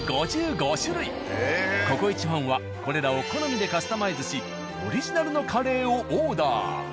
「ココイチ」ファンはこれらを好みでカスタマイズしオリジナルのカレーをオーダー。